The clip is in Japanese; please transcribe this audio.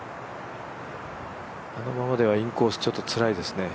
あのままではインコースちょっとつらいですね。